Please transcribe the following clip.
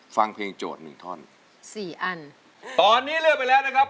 ฟังเพลงโจทย์หนึ่งท่อนสี่อันตอนนี้เลือกไปแล้วนะครับ